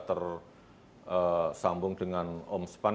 ter sambung dengan